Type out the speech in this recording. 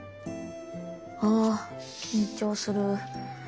あ緊張する。